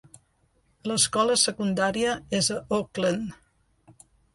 L'escola secundària és a Oakland.